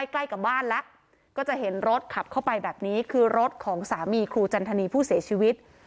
ใกล้กับบ้านแล้วก็จะเห็นรถขับเข้าไปแบบนี้คือรถของสามีครูจันทนีผู้เสียชีวิต